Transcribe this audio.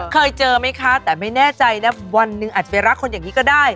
เคยเจอไหมคะแต่ไม่แน่ใจนะวันหนึ่งอาจจะไปรักคนอย่างนี้ก็ได้